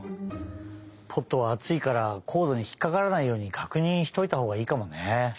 ポットはあついからコードにひっかからないようにかくにんしておいたほうがいいかもね。